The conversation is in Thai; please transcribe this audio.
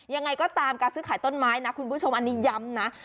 ยังไงก็ตามการซื้อขายต้นไม้นะคุณผู้ชมอันนี้ย้ำนะ